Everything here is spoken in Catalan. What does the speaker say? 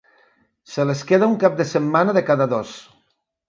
Se les queda un cap de setmana de cada dos.